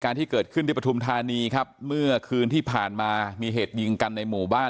ที่เกิดขึ้นที่ปฐุมธานีครับเมื่อคืนที่ผ่านมามีเหตุยิงกันในหมู่บ้าน